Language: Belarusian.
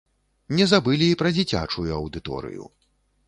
Не забылі і пра дзіцячую аўдыторыю.